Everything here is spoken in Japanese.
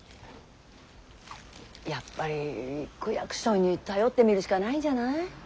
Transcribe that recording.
やっぱり区役所に頼ってみるしかないんじゃない？